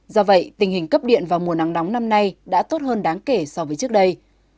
do vậy tình hình cấp điện vào mùa nắng nóng năm nay đã tốt hơn đáng kể so với trước đây